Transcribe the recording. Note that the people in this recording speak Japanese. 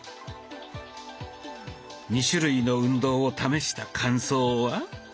２種類の運動を試した感想は？